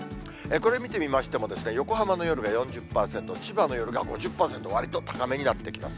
これ見てみましても、横浜の夜が４０％、千葉の夜が５０％、わりと高めになってきます。